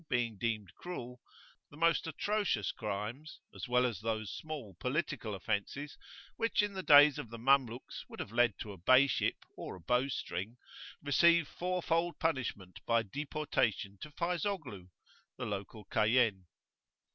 18]being deemed cruel, the most atrocious crimes, as well as those small political offences, which in the days of the Mamluks would have led to a beyship or a bow string, receive fourfold punishment by deportation to Fayzoghlu, the local Cayenne.